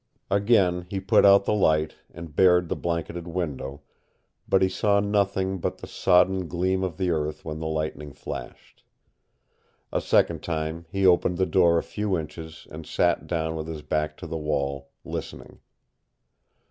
Again he put out the light and bared the blanketed window, but he saw nothing but the sodden gleam of the earth when the lightning flashed. A second time he opened the door a few inches and sat down with his back to the wall, listening.